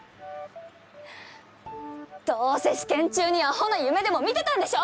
どうせ試験中にアホな夢でも見てたんでしょ！